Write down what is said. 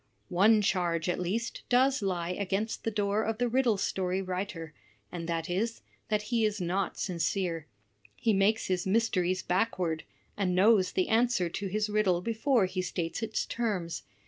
".;. One charge, at least, does lie against the door of the riddle story writer; and that is, that he is not sincere; he makes his mysteries backward, and knows the answer to his riddle before he states its terms.